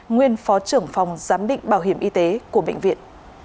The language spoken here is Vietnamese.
nguyên phó trưởng phòng giám định bảo hiểm y tế của bệnh viện